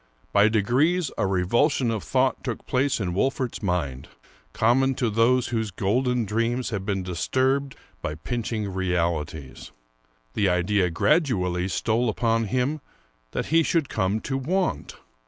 By degrees a revulsion of thought took place in Wolfert's mind, common to those whose golden dreams have been disturbed by pinching realities. The idea gradually stole upon him that he should come to want.